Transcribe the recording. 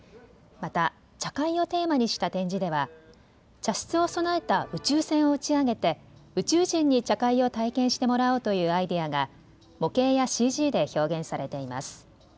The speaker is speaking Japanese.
また茶会をテーマにした展示では茶室を備えた宇宙船を打ち上げて宇宙人に茶会を体験してもらおうというアイデアが模型やＣＧで表現されています。